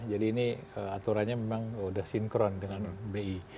jadi ini aturannya memang sudah sinkron dengan bi